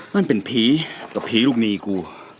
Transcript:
มันเป็นพีศ์แล้วพีศ์ลูกหนีกู